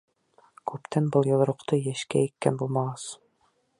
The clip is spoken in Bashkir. Күптән был йоҙроҡто эшкә еккән булмағас...